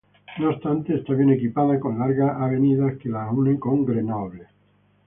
No obstante, está bien equipada, con largas avenidas que la unen con Grenoble.